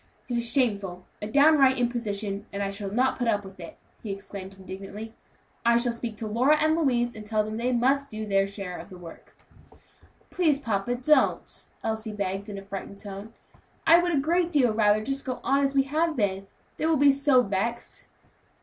It is shameful! a downright imposition, and I shall not put up with it!" he exclaimed indignantly. "I shall speak to Lora and Louise, and tell them they must do their share of the work." "Please, papa, don't," Elsie begged in a frightened tone. "I would a great deal rather just go on as we have been; they will be so vexed."